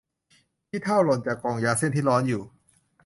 ขี้เถ้าหล่นจากกล้องยาเส้นที่ร้อนอยู่